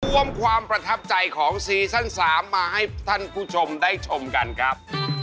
ความประทับใจของซีซั่น๓มาให้ท่านผู้ชมได้ชมกันครับ